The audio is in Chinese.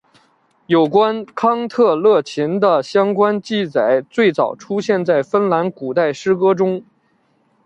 有关康特勒琴的相关记载最早出现在芬兰古代诗歌中。